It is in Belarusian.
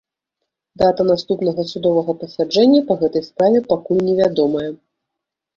Дата наступнага судовага пасяджэння па гэтай справе пакуль невядомая.